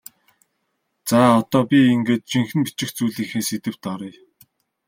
За одоо би ингээд жинхэнэ бичих зүйлийнхээ сэдэвт оръё.